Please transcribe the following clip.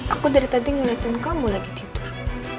aku dari tadi ngeliatin kamu lagi tidur